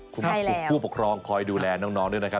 คุณผู้ปกครองคอยดูแลน้องด้วยนะครับ